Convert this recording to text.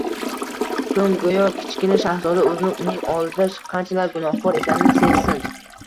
so‘ng go‘yo Kichkina shahzoda, o‘zini uning oldida qanchalar gunohkor ekanini sezsin